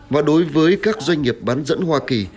và đối với các doanh nghiệp bán dẫn hoa kỳ